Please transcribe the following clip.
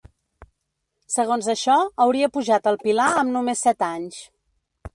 Segons això, hauria pujat al pilar amb només set anys.